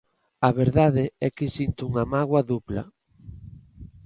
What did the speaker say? A verdade é que sinto unha mágoa dupla.